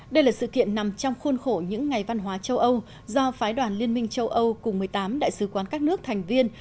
đây là sự kiện nằm trong khuôn khổ những ngày văn hóa châu âu do phái đoàn liên minh châu âu cùng một mươi tám đại sứ quán các nước thành viên